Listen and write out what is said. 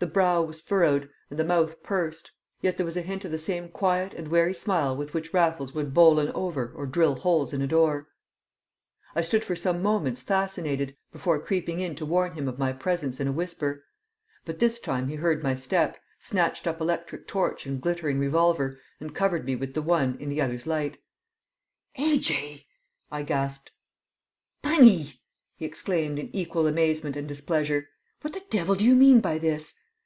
The brow was furrowed, and the mouth pursed, yet there was a hint of the same quiet and wary smile with which Raffles would bowl an over or drill holes in a door. I stood for some moments fascinated, entranced, before creeping in to warn him of my presence in a whisper. But this time he heard my step, snatched up electric torch and glittering revolver, and covered me with the one in the other's light. "A.J.!" I gasped. "Bunny!" he exclaimed in equal amazement and displeasure. "What the devil do you mean by this?"